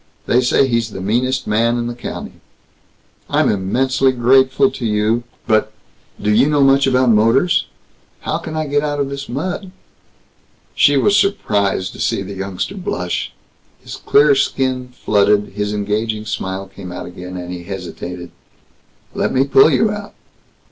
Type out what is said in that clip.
They say he's the meanest man in the county." "I'm immensely grateful to you, but do you know much about motors? How can I get out of this mud?" She was surprised to see the youngster blush. His clear skin flooded. His engaging smile came again, and he hesitated, "Let me pull you out."